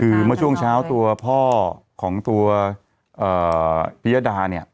คือเมื่อช่วงเช้าตัวพ่อของตัวพิยดาเนี่ย